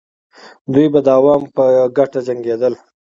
دوی به د عوامو په ګټه جنګېدل.